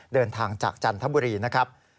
เดินทางจากจันทบุรีนะครับ